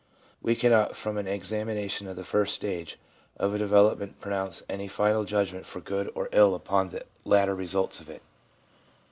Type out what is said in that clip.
... We cannot from an examination of the first stage of a development pro nounce any final judgment for good or ill upon the later results of it.'